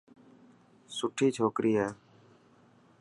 سٺوي ڇوڪري هي.